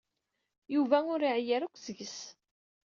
Yuba ur iɛeyyu ara akk seg-s.